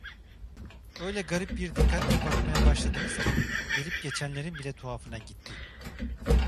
Öyle garip bir dikkatle bakmaya başladınız ki, gelip geçenlerin bile tuhafına gitti.